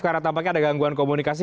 karena tampaknya ada gangguan komunikasi